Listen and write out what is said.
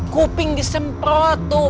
kuping disemprot tuh